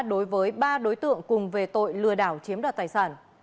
đối với ba đối tượng cùng về tội lừa đảo chiếm đoạt tài sản